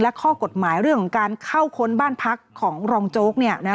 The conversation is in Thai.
และข้อกฎหมายเรื่องของการเข้าค้นบ้านพักของรองโจ๊ก